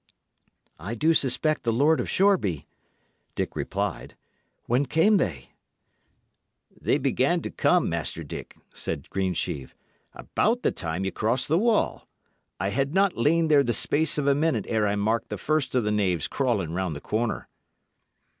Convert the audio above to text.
"I do suspect the Lord of Shoreby," Dick replied. "When came they?" "They began to come, Master Dick," said Greensheve, "about the time ye crossed the wall. I had not lain there the space of a minute ere I marked the first of the knaves crawling round the corner."